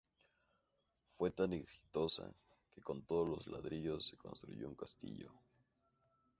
Fue tan exitosa, que con todos los ladrillos se construyó un castillo.